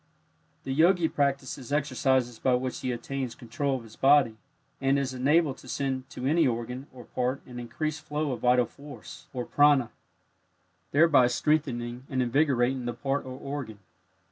The Yogi practices exercises by which he attains control of his body, and is enabled to send to any organ or part an increased flow of vital force or "prana," thereby strengthening and invigorating the part or organ.